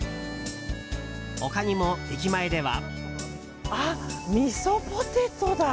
他にも駅前では。